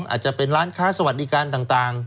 อาจจะเป็นร้านค้าสวัสดิการต่าง